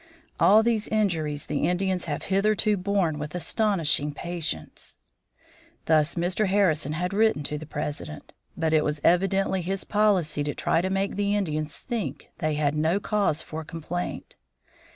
"All these injuries the Indians have hitherto borne with astonishing patience." Thus Mr. Harrison had written to the President, but it was evidently his policy to try to make the Indians think they had no cause for complaint.